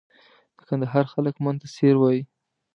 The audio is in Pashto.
د کندهار خلک من ته سېر وایي.